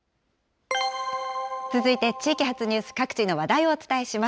続いて地域発ニュース、各地の話題をお伝えします。